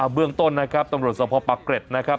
เบื้องต้นนะครับตำรวจสมภาพปากเกร็ดนะครับ